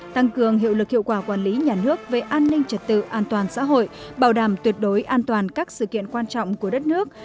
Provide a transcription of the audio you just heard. tăng cường hiệu lực hiệu quả quản lý nhà nước về an ninh trật tự an toàn xã hội bảo đảm tuyệt đối an toàn các sự kiện quan trọng của đất nước